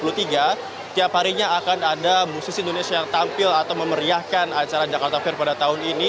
setiap harinya akan ada musisi indonesia yang tampil atau memeriahkan acara jakarta fair pada tahun ini